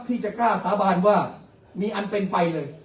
ที่จะกล้าสาบานว่ามีอันเป็นไปเลย